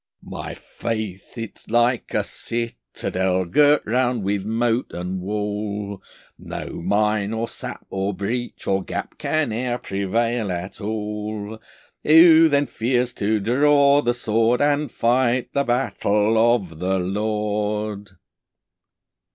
My faith is like a citadel Girt round with moat and wall, No mine, or sap, or breach, or gap Can ere prevail at all. Who then fears to draw the sword, And fight the battle of the Lord?